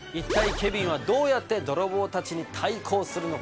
ケビンはどうやって泥棒たちに対抗するのか？